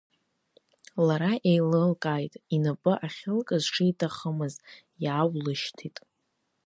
Лара еилылкааит, инапы ахьылкыз шиҭахымхаз, иааулышьҭит.